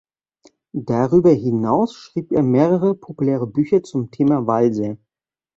Darüber hinaus schrieb er mehrere populäre Bücher zum Thema Walser.